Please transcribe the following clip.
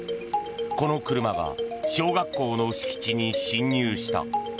この車が小学校の敷地に侵入した。